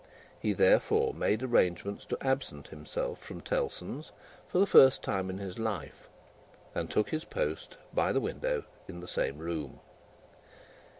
He therefore made arrangements to absent himself from Tellson's for the first time in his life, and took his post by the window in the same room.